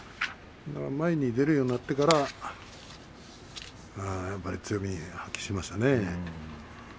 前に出るようになってからはやっぱり強みを発揮しましたね。